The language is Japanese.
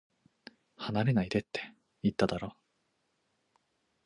離れないでって、言っただろ